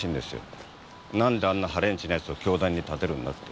なんであんなハレンチな奴を教壇に立てるんだって。